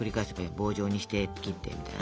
棒状にして切ってみたいな。